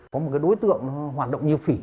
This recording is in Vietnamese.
có một cái đối tượng nó hoạt động như phỉ